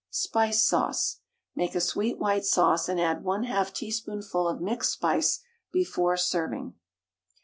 SPICE SAUCE. Make a sweet white sauce, and add 1/2 teaspoonful of mixed spice before serving.